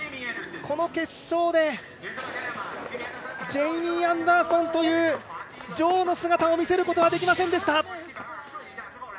この決勝でジェイミー・アンダーソンという女王の姿を見せることはできませんでした。